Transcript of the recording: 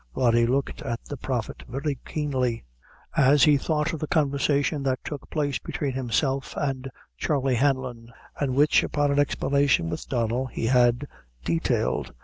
Rody looked at the Prophet very keenly, as he thought of the conversation that took place between himself and Charley Hanlon, and which, upon an explanation with Donnel, he had detailed.